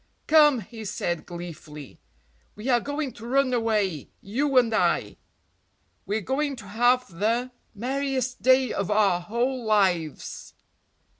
"Come," he said gleefully, "we are going to run away, you and I. We're going to have the merriest day of our whole lives!"